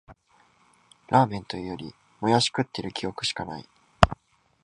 ラーメンというより、もやし食ってる記憶しかない